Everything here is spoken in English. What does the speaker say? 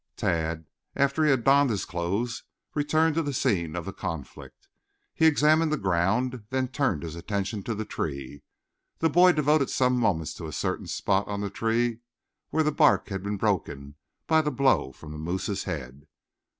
Tad, after he had donned his clothes, returned to the scene of the conflict. He examined the ground, then turned his attention to the tree. The boy devoted some moments to a certain spot on the tree where the bark had been broken by the blow from the moose's head.